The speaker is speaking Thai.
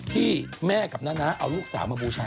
ที่แม่กับน้าเอาลูกสาวมาบูชา